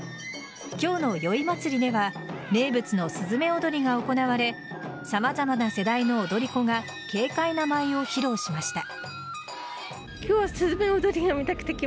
今日の宵まつりでは名物のすずめ踊りが行われ様々な世代の踊り子が軽快な舞を披露しました。